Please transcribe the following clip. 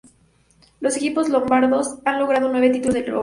Los equipos lombardos han logrado nueve títulos de Euroliga.